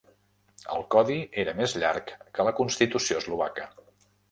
El codi era més llarg que la Constitució Eslovaca.